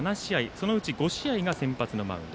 そのうち５試合が先発のマウンド。